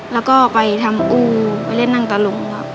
แล้วก็ไปทำอู้ไปเล่นนั่งตะลุงครับ